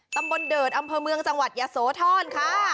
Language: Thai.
ตำบลเดิดอำเภอเมืองจังหวัดยะโสธรค่ะ